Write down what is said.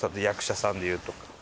役者さんでいうと。